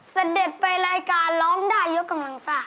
เสด็จไปรายการร้องได้ยกกำลังซ่า